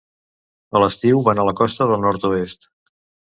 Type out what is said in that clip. A l'estiu van a la costa del nord-oest.